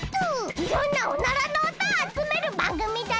いろんなおならのおとをあつめるばんぐみだよ。